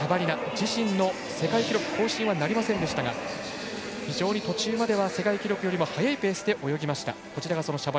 自身の世界記録更新はなりませんでしたが非常に途中までは世界記録よりも泳ぎました。